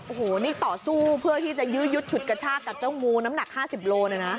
โอ้โหนี่ต่อสู้เพื่อที่จะยื้อยุดฉุดกระชากกับเจ้างูน้ำหนัก๕๐โลนะนะ